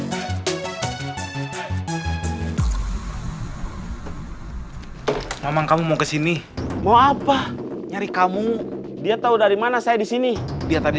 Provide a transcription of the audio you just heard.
hai memang kamu mau kesini mau apa nyari kamu dia tahu dari mana saya disini dia tadi